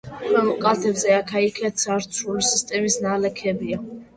ქვემო კალთებზე აქა-იქ ცარცული სისტემის ნალექებია.